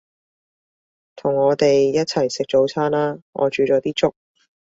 同我哋一齊食早餐啦，我煮咗啲粥